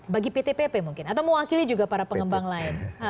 bagi pt pp mungkin atau mewakili juga para pengembang lain